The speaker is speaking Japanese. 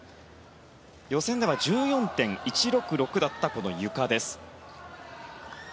予選では１４．１６６だったこのゆかです。